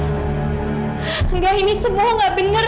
tante ini semua tidak benar